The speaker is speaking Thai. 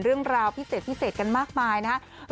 เรื่องราวพิเศษพิเศษกันมากมายนะครับ